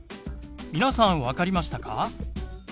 皆さん分かりましたか？